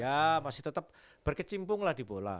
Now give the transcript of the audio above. ya masih tetap berkecimpung lah di bola